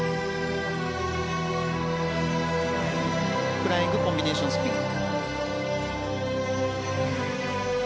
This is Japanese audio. フライングコンビネーションスピン。